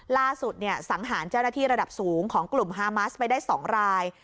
ล่าสุดสังหารเจ้าหน้าที่ระดับสูงของกลุ่มฮามาสไปได้๒ราย